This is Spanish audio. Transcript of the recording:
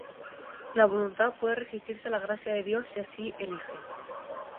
La voluntad puede resistirse a la gracia de Dios si así elige.